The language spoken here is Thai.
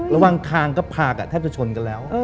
ระหว่างครางกับภาคแทบจะชนกันแล้ว